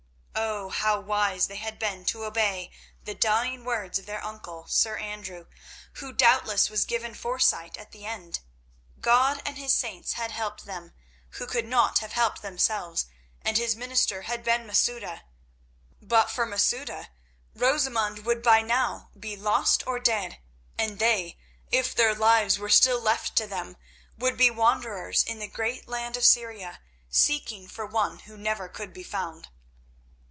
Oh, how wise they had been to obey the dying words of their uncle, Sir Andrew, who doubtless was given foresight at the end! God and His saints had helped them, who could not have helped themselves, and His minister had been Masouda. But for Masouda, Rosamund would by now be lost or dead, and they, if their lives were still left to them, would be wanderers in the great land of Syria, seeking for one who never could be found.